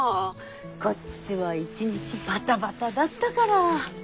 こっちも一日バタバタだったから。